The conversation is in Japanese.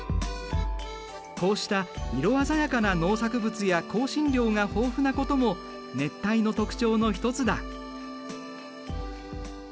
こうした色鮮やかな農作物や香辛料が豊富なことも熱帯の特徴の一つだ。